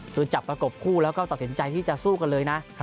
คือจับปฎปคู่แล้วก็สนับสินใจที่จะสู้เลยนะ